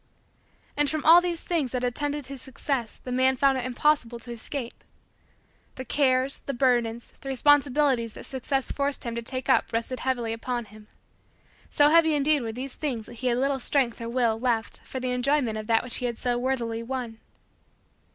And from all these things that attended his success the man found it impossible to escape. The cares, the burdens, the responsibilities that Success forced him to take up rested heavily upon him. So heavy indeed were these things that he had little strength or will left for the enjoyment of that which he had so worthily won.